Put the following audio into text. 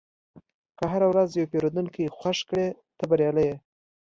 که هره ورځ یو پیرودونکی خوښ کړې، ته بریالی یې.